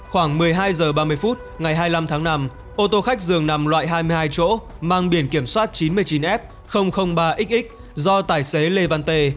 khoảng một mươi hai h ba mươi phút ngày hai mươi năm tháng năm ô tô khách dường nằm loại hai mươi hai chỗ mang biển kiểm soát chín mươi chín f ba xx do tài xế lê văn tê